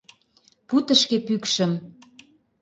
Пу тышке пӱкшым!